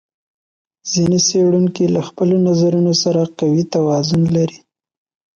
ځینې څېړونکي له خپلو نظرونو سره قوي توازن لري.